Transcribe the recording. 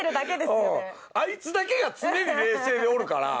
あいつだけが常に冷静でおるから。